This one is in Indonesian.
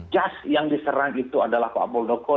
jas yang diserang itu adalah pak muldoko